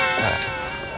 ada perlu sama g